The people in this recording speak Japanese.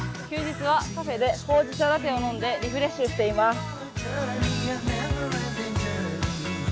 休日はカフェでほうじ茶ラテを飲んでリフレッシュしています。